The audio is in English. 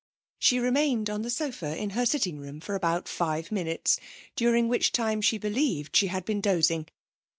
She remained on the sofa in her sitting room for about five minutes, during which time she believed she had been dozing.